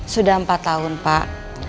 sudah empat tahun pak